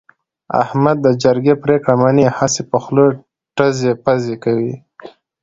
احمد د جرگې پرېکړه مني، هسې په خوله ټزې پزې کوي.